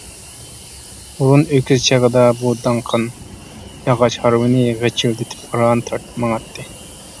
ھۇرۇن ئۆكۈز چېغىدا بۇ داڭقان ياغاچ ھارۋىنى غىچىلدىتىپ ئاران تارتىپ ماڭاتتى.